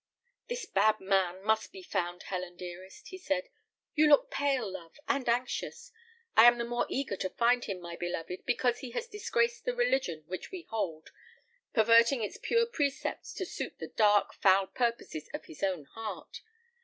"This bad man must be found, Helen, dearest," he said; "you look pale, love, and anxious. I am the more eager to find him, my beloved, because he has disgraced the religion which we hold, perverting its pure precepts to suit the dark, foul purposes of his own heart.